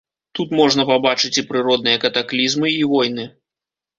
Тут можна пабачыць і прыродныя катаклізмы, і войны.